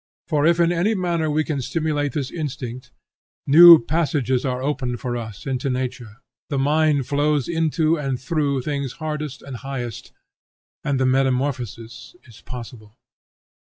For if in any manner we can stimulate this instinct, new passages are opened for us into nature; the mind flows into and through things hardest and highest, and the metamorphosis is possible.